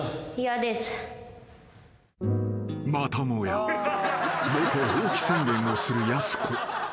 ［またもやロケ放棄宣言をするやす子］